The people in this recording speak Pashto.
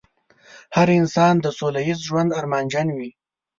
هر انسان د سوله ييز ژوند ارمانجن وي.